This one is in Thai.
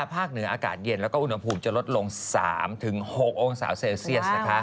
ภาคเหนืออากาศเย็นแล้วก็อุณหภูมิจะลดลง๓๖องศาเซลเซียส